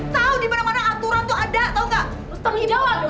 tahu di mana mana aturan tuh ada tau nggak